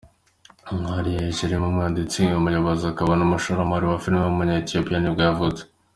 Haile Gerima, umwanditsi, umuyobozi akaba n’umushoramari wa filime w’umunya-Ethiopia nibwo yavutse.